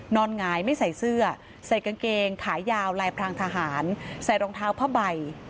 หงายไม่ใส่เสื้อใส่กางเกงขายาวลายพรางทหารใส่รองเท้าผ้าใบ